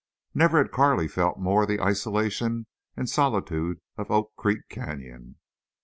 Never had Carley felt more the isolation and solitude of Oak Creek Canyon.